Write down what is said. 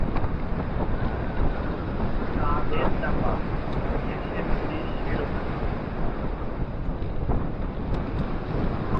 লেজ চাপা ও শীর্ষে দু'টি শির থাকে।